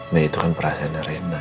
nah itu kan perasaan arena